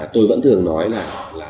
tôi vẫn thường nói là